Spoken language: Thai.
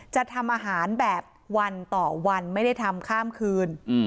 จะทำอาหารแบบวันต่อวันไม่ได้ทำข้ามคืน